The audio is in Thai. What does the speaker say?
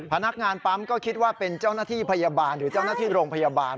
พนักงานปั๊มก็คิดว่าเป็นเจ้าหน้าที่พยาบาลหรือเจ้าหน้าที่โรงพยาบาล